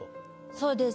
そうです。